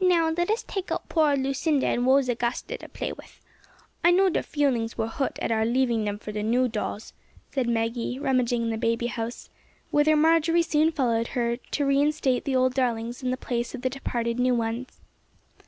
"Now let us take out poor old Lucinda and Rose Augusta to play with. I know their feelings were hurt at our leaving them for the new dolls," said Maggie, rummaging in the baby house, whither Margery soon followed her to reinstate the old darlings in the place of the departed new ones.